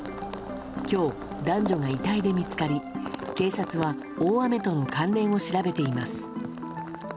今日、男女が遺体で見つかり警察は大雨との関連を調べています。